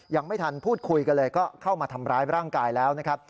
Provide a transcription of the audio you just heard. ยังไม่ทันพูดคุยกันเลยก็เข้ามาทำร้ายร่างกายแล้วนะครับ